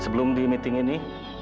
sebelum di meeting ini